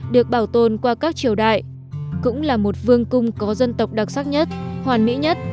được bảo tồn qua các triều đại cũng là một vương cung có dân tộc đặc sắc nhất hoàn mỹ nhất